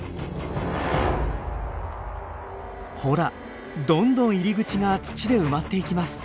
ほらどんどん入り口が土で埋まっていきます。